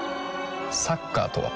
サッカーとは？